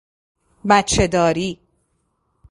بچه داری